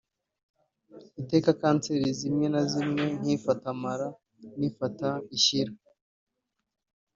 itera kanseri zimwe na zimwe nk’ifata amara n’ifata ishyira